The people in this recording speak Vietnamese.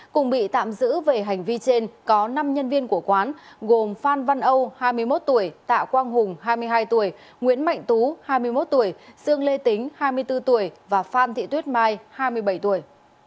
cùng bị tạm giữ về hành vi trên có năm nhân viên của quán gồm phan văn âu hai mươi một tuổi tạ quang hùng hai mươi hai tuổi nguyễn mạnh tú hai mươi một tuổi dương lê tính hai mươi bốn tuổi và phan thị tuyết mai hai mươi bảy tuổi